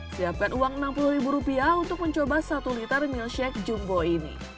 siapkan uang rp enam puluh untuk mencoba satu liter milshake jumbo ini